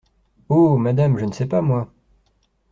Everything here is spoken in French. Oh ! madame, je ne sais pas, moi.